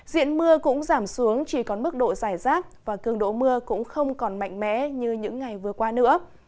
diện mưa cũng giảm xuống chỉ còn mức độ dài rác và cường độ mưa cũng không còn mạnh mẽ như những ngày vừa qua nữa